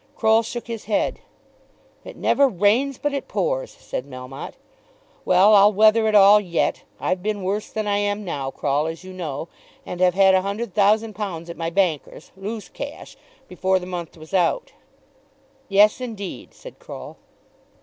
Croll shook his head. "It never rains but it pours," said Melmotte. "Well; I'll weather it all yet. I've been worse than I am now, Croll, as you know, and have had a hundred thousand pounds at my banker's, loose cash, before the month was out." "Yes, indeed," said Croll.